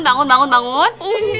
bangun bangun bangun